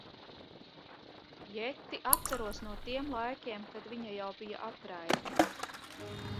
Jetti atceros no tiem laikiem, kad viņa jau bija atraitne.